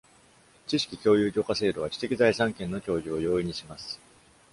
知識共有許可制度は知的財産権の共有を容易にします。